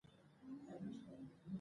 د عضلو انقباض د تودوخې لوړولو اغېز لري.